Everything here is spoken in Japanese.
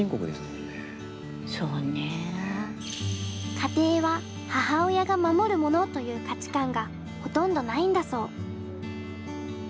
家庭は母親が守るものという価値観がほとんどないんだそう。